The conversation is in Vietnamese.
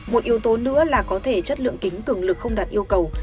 một yếu tố nữa là có thể chất lượng kính cường lực không đạt yêu cầu